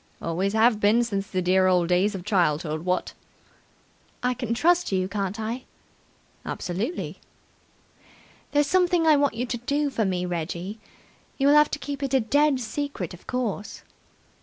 "Always have been since the dear old days of childhood, what!" "I can trust you, can't I?" "Absolutely!" "There's something I want you to do for me, Reggie. You'll have to keep it a dead secret of course."